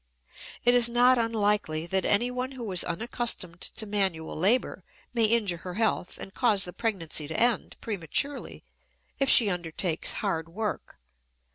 It is not unlikely that anyone who is unaccustomed to manual labor may injure her health and cause the pregnancy to end prematurely if she undertakes hard work.